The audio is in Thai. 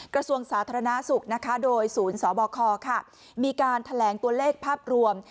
กระทรวงสาธารณสุขนะคะโดยศูนย์สบคมีการแถลงตัวเลขภาพรวม